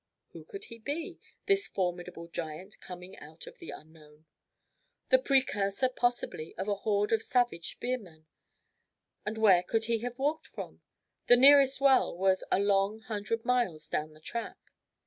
Who could he be, this formidable giant coming out of the unknown? The precursor possibly of a horde of savage spearmen. And where could he have walked from? The nearest well was a long hundred miles down the track.